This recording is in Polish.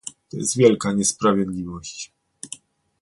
To jest wieka niesprawiedliwość